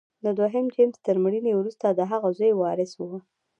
د دویم جېمز تر مړینې وروسته د هغه زوی وارث و.